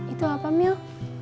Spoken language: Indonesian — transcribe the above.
itu apa mil